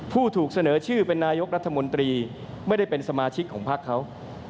ผู้ถูกเสนอชื่อเป็นนายกรัฐมนตรีไม่ได้เป็นสมาชิกของพักเขา